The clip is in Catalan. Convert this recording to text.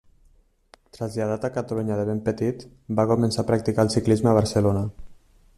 Traslladat a Catalunya de ben petit, va començar a practicar el ciclisme a Barcelona.